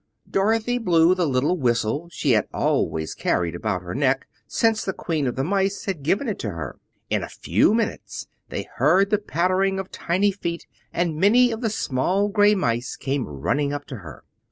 Dorothy blew the little whistle she had always carried about her neck since the Queen of the Mice had given it to her. In a few minutes they heard the pattering of tiny feet, and many of the small gray mice came running up to her.